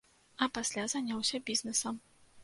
А пасля заняўся бізнесам.